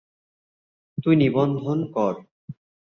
তুই নিবন্ধন কর।